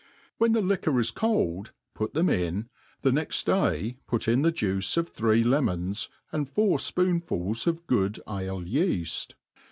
When the liquor is cold, put them in, the next day put in the juice of three lemons, and four fpoonfuls of good ale yeaft.